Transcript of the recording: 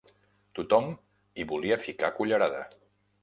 Tothom hi volia ficar cullerada.